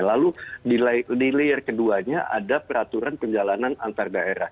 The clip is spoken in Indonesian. lalu di layer keduanya ada peraturan penjalanan antar daerah